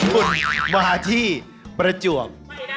คุณมาที่ประจวบ